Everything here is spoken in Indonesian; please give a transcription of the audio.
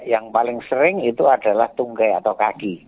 yang paling sering itu adalah tunggai atau kaki